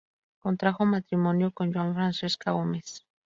Contrajo matrimonio con Joan Francesca Gomez.